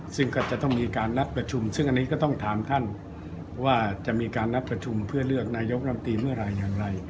ซึ่งก็จะต้องมีการนัดประชุมซึ่งอันนี้ก็ต้องถามท่านว่าจะมีการนัดประชุมเพื่อเลือกนายกรรมตรีเมื่อไหร่อย่างไร